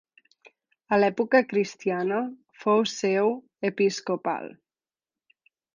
A l'època cristiana fou seu episcopal.